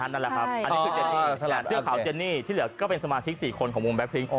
อันนี้คือเจนี่และเสื้อขาวเจนี่ที่เหลือก็เป็นสมาชิกสี่คนของวงแบ๊กพิ้ง